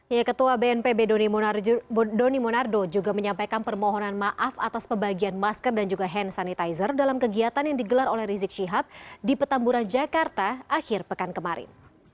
ya ketua bnpb doni monardo juga menyampaikan permohonan maaf atas pembagian masker dan juga hand sanitizer dalam kegiatan yang digelar oleh rizik syihab di petamburan jakarta akhir pekan kemarin